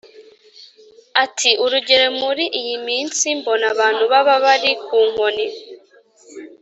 ati “urugero, muri iyi minsi mbona abantu baba bari ku nkoni.